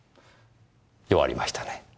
弱りましたね。